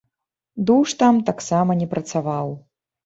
Душ там таксама не працаваў.